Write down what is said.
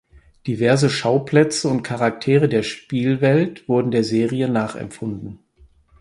Diverse Schauplätze und Charaktere der Spielwelt wurden der Serie nachempfunden.